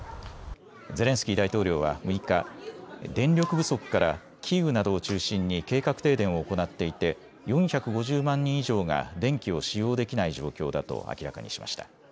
ゼレンスキー大統領は６日、電力不足からキーウなどを中心に計画停電を行っていて４５０万人以上が電気を使用できない状況だと明らかにしました。